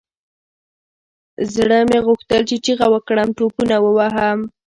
زړه مې غوښتل چې چيغه وكړم ټوپونه ووهم.